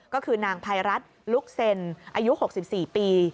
ก็คือนางภัยรัฐลุกเซ็นอายุ๖๔ปี